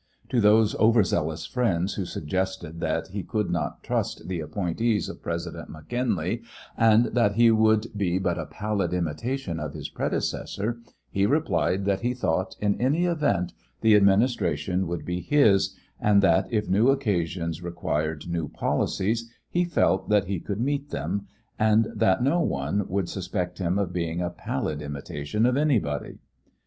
To those overzealous friends who suggested that he could not trust the appointees of President McKinley and that he would be but a pallid imitation of his predecessor he replied that he thought, in any event, the administration would be his, and that if new occasions required new policies he felt that he could meet them, and that no one would suspect him of being a pallid imitation of anybody.